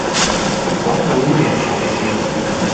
Waboilwa sa ki